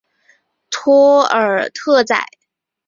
托尔特宰。